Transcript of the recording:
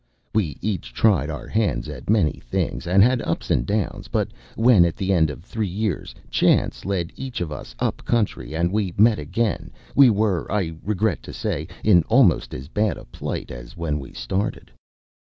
We each tried our hands at many things, and had ups and downs; but when, at the end of three years, chance led each of us up country and we met again, we were, I regret to say, in almost as bad a plight as when we started.